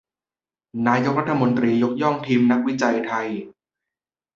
นายกรัฐมนตรียกย่องทีมนักวิจัยไทย